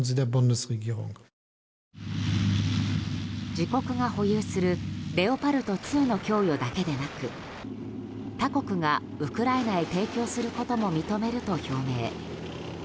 自国が保有するレオパルト２の供与だけでなく他国がウクライナへ提供することも認めると表明。